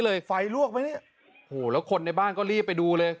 ไฟลวกไหมเนี่ยโอ้โหแล้วคนในบ้านก็รีบไปดูเลย